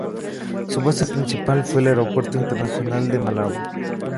Su base principal fue el Aeropuerto Internacional de Malabo.